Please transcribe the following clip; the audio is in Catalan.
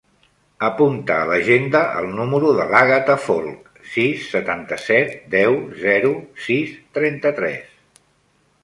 Apunta a l'agenda el número de l'Àgata Folch: sis, setanta-set, deu, zero, sis, trenta-tres.